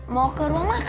mau ke rumah makan